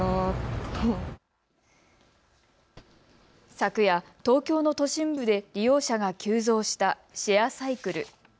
昨夜、東京の都心部で利用者が急増したシェアサイクル。